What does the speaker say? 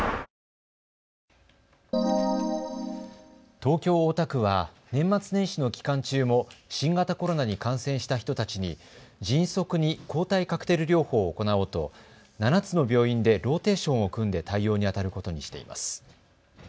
東京大田区は年末年始の期間中も新型コロナに感染した人たちに迅速に抗体カクテル療法を行おうと７つの病院でローテーションを組んで対応にあたることにしています。